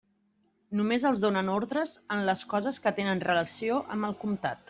Només els donen ordres en les coses que tenen relació amb el comtat.